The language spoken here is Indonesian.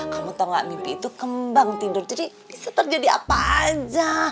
kamu tau gak mimpi itu kembang tidur jadi bisa terjadi apa aja